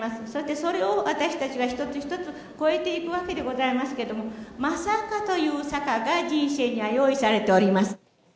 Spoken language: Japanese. それを私たちが一つ一つ、越えていくわけでございますけれども、まさかという坂が人生には用意されております。